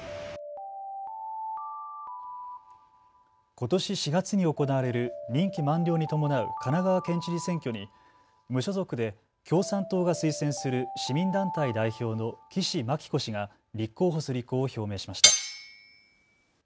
ことし４月に行われる任期満了に伴う神奈川県知事選挙に無所属で共産党が推薦する市民団体代表の岸牧子氏が立候補する意向を表明しました。